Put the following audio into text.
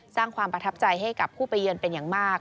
สร้างความประทับใจให้กับผู้ไปเยือนเป็นอย่างมาก